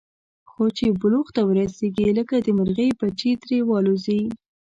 خو چې بلوغ ته ورسېږي، لکه د مرغۍ بچي ترې والوځي.